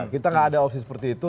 kita nggak ada opsi seperti itu